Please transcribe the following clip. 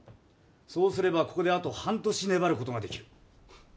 そうすればここであと半年粘る事ができる。